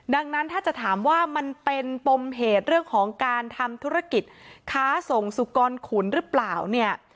ดังนั้นถ้าจะถามว่ามันเป็นปมเหตุเรื่องของการทำธุรกิจค้าส่งสุกรขุนหรือเปล่าเนี่ย